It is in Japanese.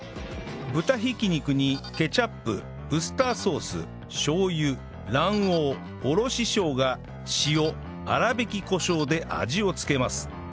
豚挽き肉にケチャップウスターソースしょう油卵黄おろし生姜塩粗挽きコショウで味を付けます